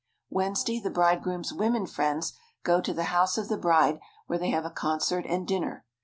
Wednesday the bridegroom's women friends go to the house of the bride where they have a concert and dinner.